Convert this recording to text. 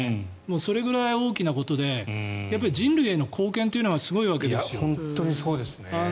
それぐらい大きなことで人類への貢献というのが本当にそうですね。